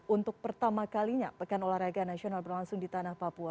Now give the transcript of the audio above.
untuk pertama kalinya pekan olahraga nasional berlangsung di tanah papua